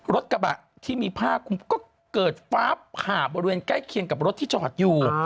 รถกระบะที่มีผ้าคุมก็เกิดฟ้าผ่าบริเวณใกล้เคียงกับรถที่จอดอยู่